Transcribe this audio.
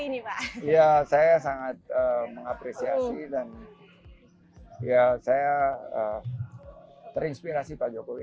benar benar saya sangat mengapresiasi dan terinspirasi pak jokowi